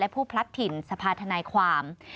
ผู้พลัดถิ่นสภาธนายความ